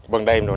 vân đêm rồi